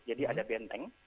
jadi ada benteng